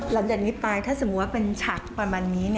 หลังจากนี้ไปถ้าสมมุติว่าเป็นฉากประมาณนี้